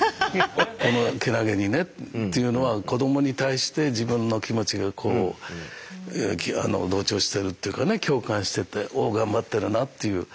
このけなげにねというのは子どもに対して自分の気持ちがこう同調してるっていうかね共感してて「お頑張ってるな」という。